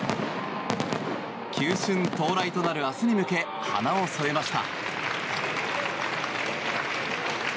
球春到来となる明日に向け花を添えました。